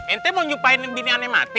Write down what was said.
ente mau nyupainin bini aneh mati